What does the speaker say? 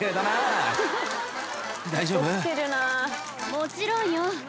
もちろんよ！